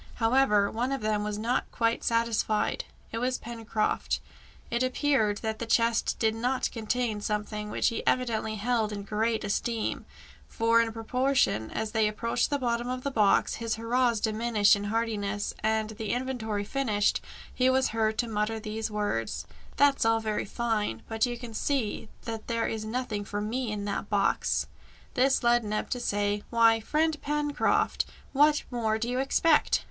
However, one of them was not quite satisfied: it was Pencroft. It appeared that the chest did not contain some thing which he evidently held in great esteem, for in proportion as they approached the bottom of the box, his hurrahs diminished in heartiness, and, the inventory finished, he was heard to mutter these words "That's all very fine, but you can see that there is nothing for me in that box!" This led Neb to say, "Why, friend Pencroft, what more do you expect?"